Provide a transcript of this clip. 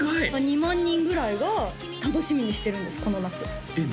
２万人ぐらいが楽しみにしてるんですこの夏えっ？